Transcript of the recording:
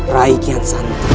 rai kian santang